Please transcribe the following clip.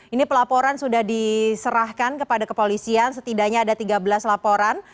ini pelaporan sudah diserahkan kepada kepolisian setidaknya ada tiga belas laporan